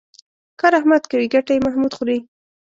کار احمد کوي ګټه یې محمود خوري.